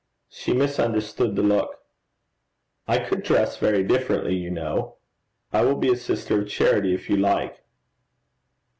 She misunderstood the look. 'I could dress very differently, you know. I will be a sister of charity, if you like.'